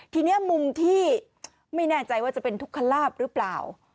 ทีนี้มุมที่ไม่แน่ใจว่าจะเป็นทุกขลาบหรือเปล่า